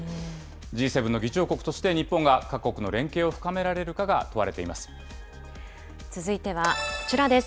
Ｇ７の議長国として、日本が各国の連携を深められるかが問われて続いてはこちらです。